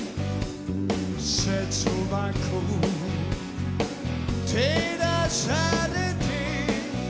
「切なく照らされて」